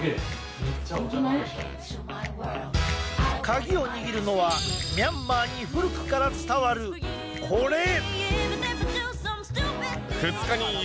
鍵を握るのはミャンマーに古くから伝わるこれ。